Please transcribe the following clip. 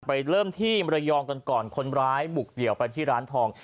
เริ่มที่มรยองกันก่อนคนร้ายบุกเดี่ยวไปที่ร้านทอง